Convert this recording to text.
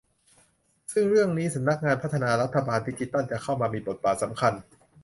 ซึ่งเรื่องนี้สำนักงานพัฒนารัฐบาลดิจิทัลจะเข้ามามีบทบาทสำคัญ